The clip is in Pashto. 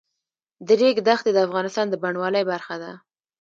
د ریګ دښتې د افغانستان د بڼوالۍ برخه ده.